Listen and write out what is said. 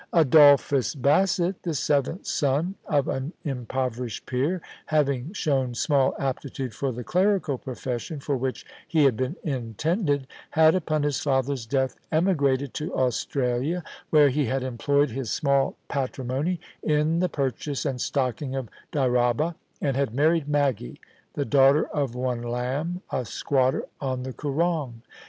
Adolphus Bassett, the seventh son of an impoverished peer, having shown small aptitude for the clerical profession, for which he had been intended, had upon his father's death emigrated to Australia, where he had employed his small patrimony in the purchase and stocking of Dyraaba, and had married Maggie, the daughter of one Lamb, a squatter on the Koorong.